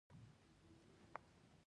د سوداګرۍ اتاق رول څه دی؟